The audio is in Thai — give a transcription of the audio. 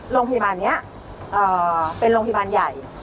โรงพยาบาลนี้เป็นโรงพยาบาลใหญ่